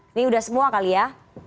ini udah semua kali ya